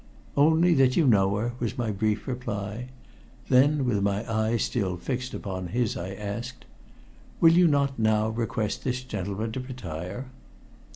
"Only that you knew her," was my brief reply. Then, with my eyes still fixed upon his, I asked: "Will you not now request this gentleman to retire?"